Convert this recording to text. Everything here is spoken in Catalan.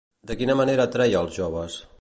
De quina manera atreia els joves?